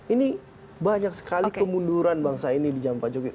ini banyak sekali kemunduran bangsa ini di zaman pak jokowi